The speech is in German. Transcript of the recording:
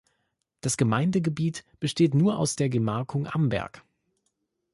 Das Gemeindegebiet besteht nur aus der Gemarkung Amberg.